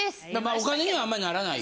お金にはあんまりならない。